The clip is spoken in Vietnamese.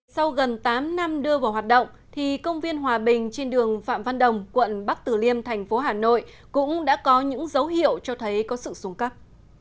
sau gần tám năm đưa vào hoạt động thì công viên hòa bình trên đường phạm văn đồng quận bắc tử liêm thành phố hà nội cũng đã có những dấu hiệu cho thấy có sự xuống cấp